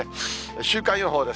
週間予報です。